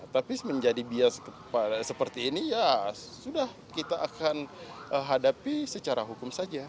tapi menjadi bias seperti ini ya sudah kita akan hadapi secara hukum saja